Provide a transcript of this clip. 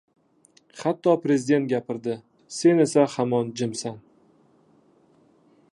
Hatto Prezident gapirdi, sen esa hamon jimsan...